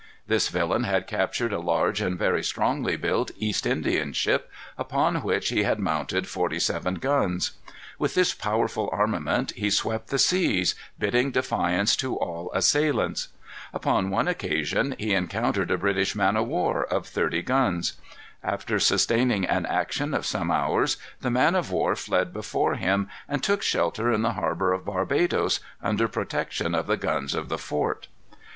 This villain had captured a large and very strongly built East Indian ship, upon which he had mounted forty heavy guns. With this powerful armament he swept the seas, bidding defiance to all assailants. Upon one occasion he encountered a British man of war of thirty guns. After sustaining an action of some hours, the man of war fled before him, and took shelter in the harbor of Barbadoes, under protection of the guns of the fort.